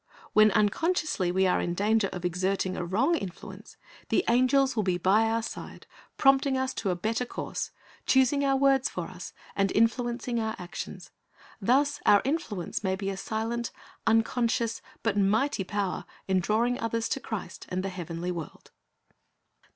When unconsciously we are in danger of exerting a wrong influence, the angels will be by our side, prompting us to a 342 Christ's Object Lessons better course, choosing our words for us, and influencing our actions. Thus our influence may be a silent, unconscious, but mighty power in drawing others to Christ and the heavenly world.